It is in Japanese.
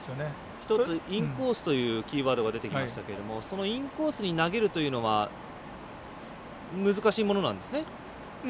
１つ、インコースというキーワードが出ましたけどそのインコースに投げるというのは難しいものなんですね。